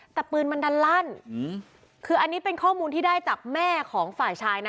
แต่ปืนมันดันลั่นคืออันนี้เป็นข้อมูลที่ได้จากแม่ของฝ่ายชายนะ